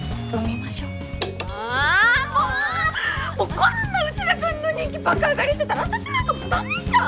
こんな内田君の人気爆上がりしてたら私なんか駄目じゃん！